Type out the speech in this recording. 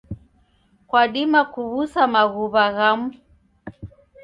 Kwadima kuw'usa maghuwa ghamu